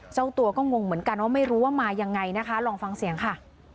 เจ้าตัวก็งงเหมือนกันว่าไม่รู้ว่ามายังไงนะคะลองฟังเสียงค่ะ